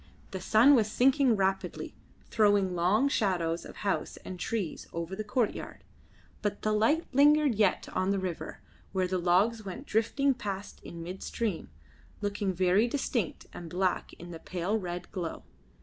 The sun was sinking rapidly, throwing long shadows of house and trees over the courtyard, but the light lingered yet on the river, where the logs went drifting past in midstream, looking very distinct and black in the pale red glow.